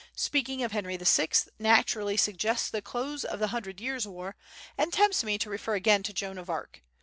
Speaking of Henry VI naturally suggests the close of the Hundred Years' War, and tempts me to refer again to Joan of Arc.